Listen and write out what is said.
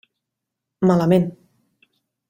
Malament.